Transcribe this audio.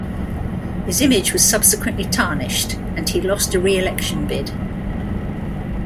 His image was subsequently tarnished, and he lost a reelection bid.